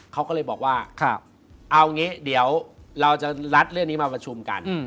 เขาก็เลยบอกว่าเอางี้เดี๋ยวเราจะลัดเรื่องนี้มาประชุมกัน